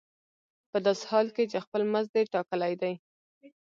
په داسې حال کې چې خپل مزد دې ټاکلی دی